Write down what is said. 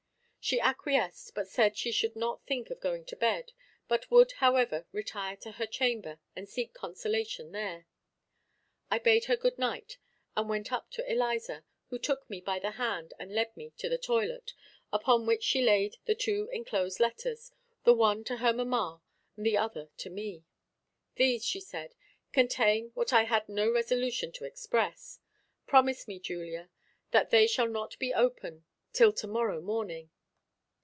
She acquiesced, but said she should not think of going to bed, but would, however, retire to her chamber, and seek consolation there. I bade her good night, and went up to Eliza, who took me by the hand, and led me to the toilet, upon which she laid the two enclosed letters, the one to her mamma, and the other to me. "These," said she, "contain what I had not resolution to express. Promise me, Julia, that they shall not be opened till to morrow morning."